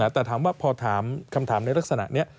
แต่ถามว่าพอถามคำถามในลักษณะนี้